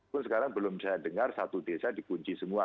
pun sekarang belum saya dengar satu desa dikunci semua